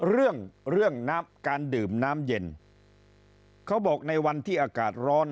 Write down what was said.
เรื่องการดื่มน้ำเย็นเขาบอกในวันที่อากาศร้อน